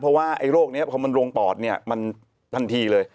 เพราะว่าไอ้โรคนี้พอมันลงปอดเนี่ยมันทันทีเลย